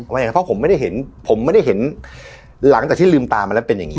อย่างนั้นเพราะผมไม่ได้เห็นผมไม่ได้เห็นหลังจากที่ลืมตามาแล้วเป็นอย่างนี้